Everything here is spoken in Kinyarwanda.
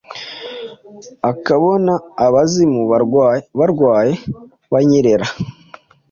akabona abazimu barwaye barwaye banyerera.